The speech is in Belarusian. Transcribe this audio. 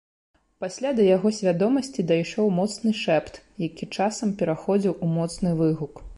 Пасля да яго свядомасці дайшоў моцны шэпт, які часам пераходзіў у моцны выгук.